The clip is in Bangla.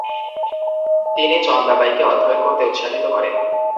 তিনি চন্দাবাইকে অধ্যয়ন করতে উৎসাহিত করেন।